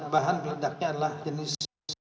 bahan peledaknya adalah jenis